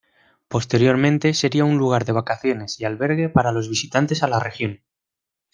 Posteriormente sería un lugar de vacaciones y albergue para los visitantes a la región.